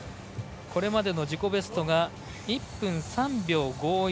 これまでの自己ベストが１分３秒５１。